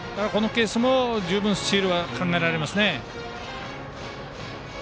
このケースも十分スチールが考えられます。